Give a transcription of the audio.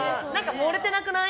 盛れてなくない？